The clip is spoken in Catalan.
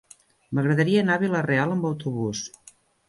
M'agradaria anar a Vila-real amb autobús.